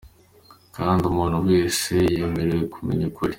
Kandi umuntu wese yemerewe kumenya ukuri.